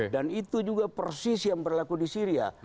dan itu juga persis yang berlaku di syria